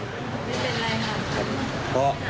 ไม่เป็นไรค่ะ